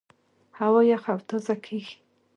هوا یخه او تازه کېږي.